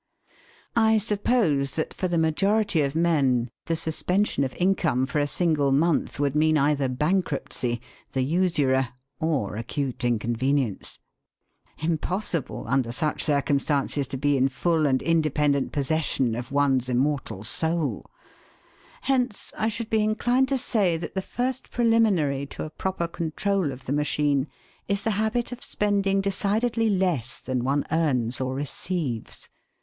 I suppose that for the majority of men the suspension of income for a single month would mean either bankruptcy, the usurer, or acute inconvenience. Impossible, under such circumstances, to be in full and independent possession of one's immortal soul! Hence I should be inclined to say that the first preliminary to a proper control of the machine is the habit of spending decidedly less than one earns or receives.